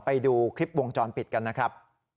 ไปดูคลิปวงจรปิดกันนะครับ